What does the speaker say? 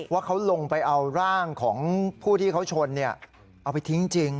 ว่าเขาลงไปเอาร่างของผู้ที่เขาชนเอาไปทิ้งจริง